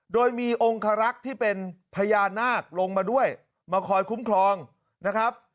โดยมีองคารักษ์ที่เป็นพญานาคลงมาด้วยมาคอยคุ้มครองนะครับ